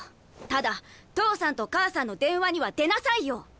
ただ父さんと母さんの電話には出なさいよ！